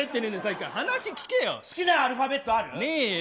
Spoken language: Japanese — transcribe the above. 好きなアルファベットある？ねえよ。